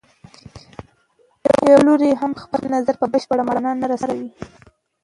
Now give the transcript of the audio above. یو لوری هم خپل نظر په بشپړه معنا نه رسوي.